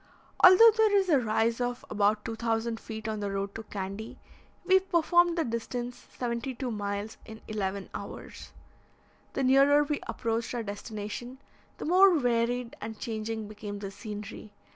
Although there is a rise of about 2,000 feet on the road to Candy, we performed the distance, seventy two miles, in eleven hours. The nearer we approached our destination, the more varied and changing became the scenery.